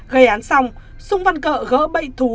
gây án xong xung văn cỡ gỡ bẫy thú